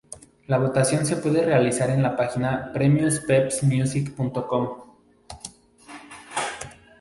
La votación se puede realizar en la página premiospepsimusic.com.